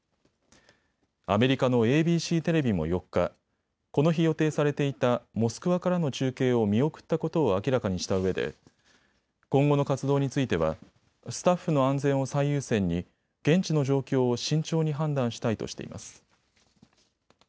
アメリカのＡＢＣテレビも４日、この日、予定されていたモスクワからの中継を見送ったことを明らかにしたうえで今後の活動についてはスタッフの安全を最優先に現地の状況を慎重に判断したいとしています。